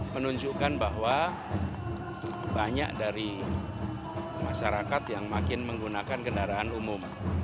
menunjukkan bahwa banyak dari masyarakat yang makin menggunakan kendaraan umum